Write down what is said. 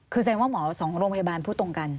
คือแสดงว่าหมอสองโรงพยาบาลพูดตรงกัน